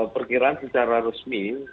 perkiraan secara resmi